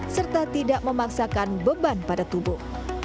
serta tidak memaksakan beban pada tubuh